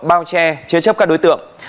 bao che chế chấp các đối tượng